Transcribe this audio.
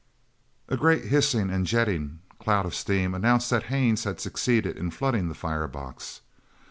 A great hissing and a jetting cloud of steam announced that Haines had succeeded in flooding the fire box.